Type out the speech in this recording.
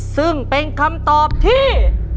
ซึ่งเป็นคำตอบที่